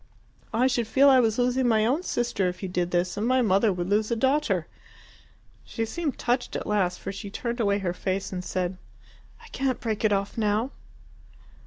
I should feel I was losing my own sister if you did this, and my mother would lose a daughter." She seemed touched at last, for she turned away her face and said, "I can't break it off now!"